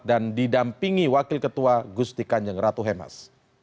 dan didampingi wakil ketua gusti kanjeng ratu hemas